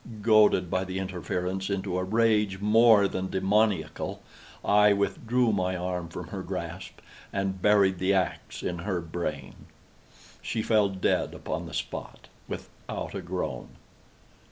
Goaded, by the interference, into a rage more than demoniacal, I withdrew my arm from her grasp and buried the axe in her brain. She fell dead upon the spot, without a groan.